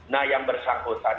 nah yang bersangkutan